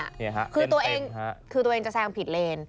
คือตัวเองจะแซงผิดเลน